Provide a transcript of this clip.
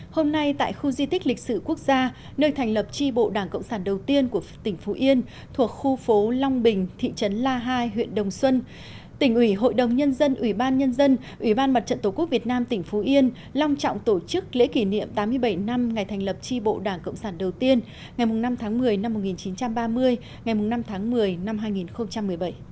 hôm nay tại khu di tích lịch sử quốc gia nơi thành lập tri bộ đảng cộng sản đầu tiên của tỉnh phú yên thuộc khu phố long bình thị trấn la hai huyện đồng xuân tỉnh ủy hội đồng nhân dân ủy ban nhân dân ủy ban mặt trận tổ quốc việt nam tỉnh phú yên long trọng tổ chức lễ kỷ niệm tám mươi bảy năm ngày thành lập tri bộ đảng cộng sản đầu tiên ngày năm tháng một mươi năm một nghìn chín trăm ba mươi ngày năm tháng một mươi năm hai nghìn một mươi bảy